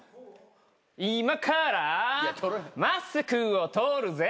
「今からマスクを取るぜ」